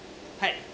はい。